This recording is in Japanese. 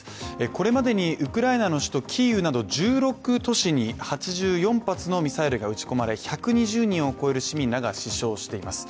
これまでにウクライナの首都キーウなど１６都市に８４発のミサイルが撃ち込まれ１２０人を超える市民らが死傷しています。